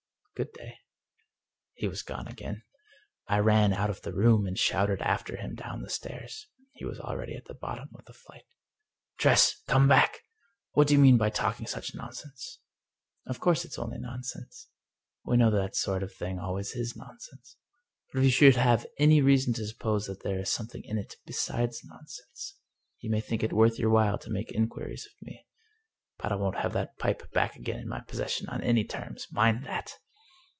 Good day." He was gone again. I ran out of the room, and shouted after him down the stairs. He was already at the bottom of the flight. . "Tress! Come back! What do you mean by talking such nonsense?" " Of course it's only nonsense. We know that that sort of thing always is nonsense. But if you should have reason to suppose that there is something in it besides nonsense, you may think it worth your while to make inquiries of me. But I won't have that pipe back again in my possession on any terms — mind that!